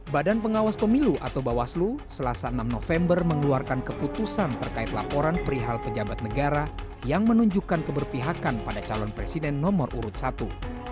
badan pengawas pemilu atau bawaslu selasa enam november mengeluarkan keputusan terkait laporan perihal pejabat negara yang menunjukkan keberpihakan pada calon presiden nomor urut satu